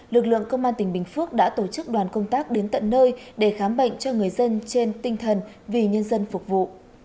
lực lượng công an tỉnh bình phước đã tổ chức đoàn công tác đến tận nơi để khám bệnh cho người dân trên tinh thần vì nhân dân phục vụ